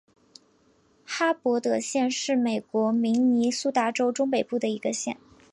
哈伯德县是美国明尼苏达州中北部的一个县。